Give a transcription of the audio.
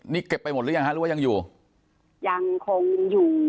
นี่เก็บไปหมดหรือยังฮะหรือว่ายังอยู่ยังคงอยู่